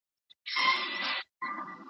هغه لومړنۍ لیدنه خطرناکه وه.